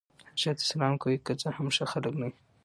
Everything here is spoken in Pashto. هر چا ته سلام کوئ! که څه هم ښه خلک نه يي.